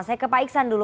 saya ke pak iksan dulu